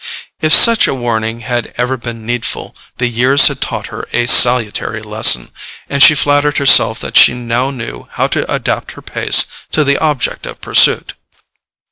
If such a warning had ever been needful, the years had taught her a salutary lesson, and she flattered herself that she now knew how to adapt her pace to the object of pursuit.